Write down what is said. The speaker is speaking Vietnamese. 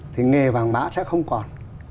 thì nghề vàng mã sẽ không còn